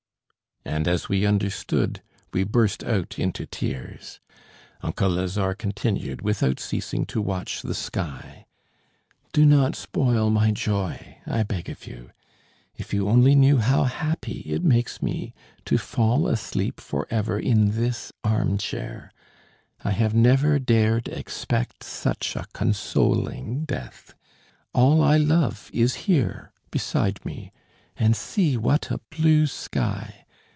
And as we understood, we burst out into tears. Uncle Lazare continued, without ceasing to watch the sky: "Do not spoil my joy, I beg of you. If you only knew how happy it makes me, to fall asleep for ever in this armchair! I have never dared expect such a consoling death. All I love is here, beside me and see what a blue sky!